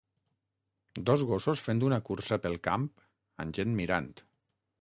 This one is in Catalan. Dos gossos fent una cursa pel camp amb gent mirant.